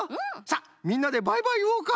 さあみんなでバイバイいおうか。